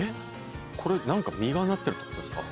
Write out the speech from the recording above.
これ何か実がなってるってことですか？